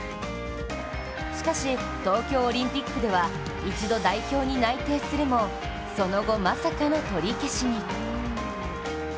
しかし、東京オリンピックでは一度、代表に内定するもその後、まさかの取り消しに。